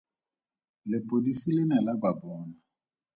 Lepodisi le ne la ba bona.